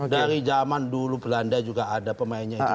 dari zaman dulu belanda juga ada pemainnya juga